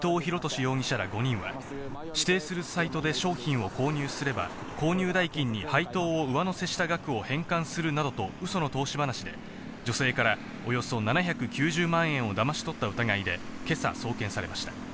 容疑者ら５人は指定するサイトで商品を購入すれば、購入代金に配当を上乗せした額を返還するなどとうその投資話で女性からおよそ７９０万円をだまし取った疑いで今朝、送検されました。